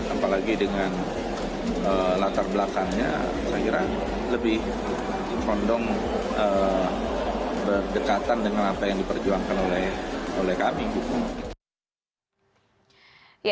apalagi dengan latar belakangnya saya kira lebih kondong berdekatan dengan apa yang diperjuangkan oleh kami gitu